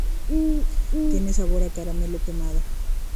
Tiene sabor a caramelo quemado.